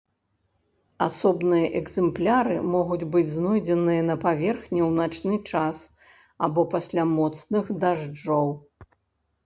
Асобныя экзэмпляры могуць быць знойдзеныя на паверхні ў начны час або пасля моцных дажджоў.